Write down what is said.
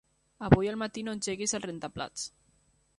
Avui al matí no engeguis el rentaplats.